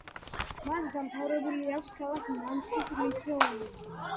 მას დამთავრებული აქვს ქალაქ ნანსის ლიცეუმი.